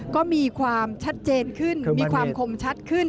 ก็มีความชัดเจนขึ้นมีความคมชัดขึ้น